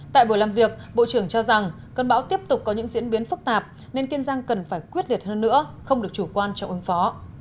tại buổi làm việc bộ trưởng cho rằng cơn bão tiếp tục có những diễn biến phức tạp nên kiên giang cần phải quyết liệt hơn nữa không được chủ quan trong ứng phó